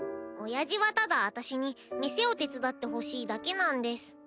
おやじはただ私に店を手伝ってほしいだけなんです。